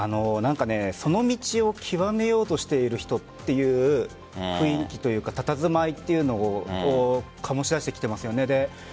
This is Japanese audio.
その道を極めようとしている人という雰囲気というかたたずまいというのを醸し出してきていますよね。